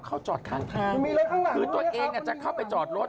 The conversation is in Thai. เขาจอดข้างทางคือตัวเองจะเข้าไปจอดรถ